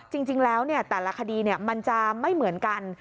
จริงแล้วแต่ละคดีมันจะไม่เหมือนกัน